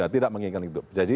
tidak menginginkan itu